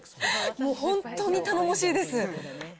もう本当に頼もしいです。